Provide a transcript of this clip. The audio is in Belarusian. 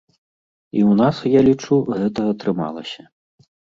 І ў нас, я лічу, гэта атрымалася.